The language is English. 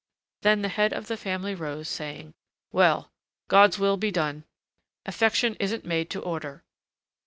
Then the head of the family rose, saying: "Well! God's will be done! affection isn't made to order!"